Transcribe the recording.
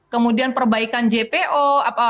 kemudian perbaikan jpt